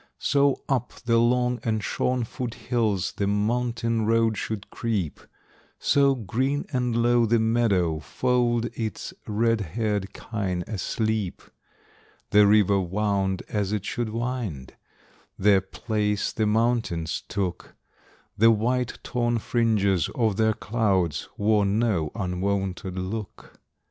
So up the long and shorn foot hills The mountain road should creep; So, green and low, the meadow fold Its red haired kine asleep. The river wound as it should wind; Their place the mountains took; The white torn fringes of their clouds Wore no unwonted look.